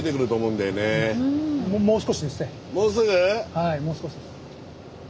はいもう少しです。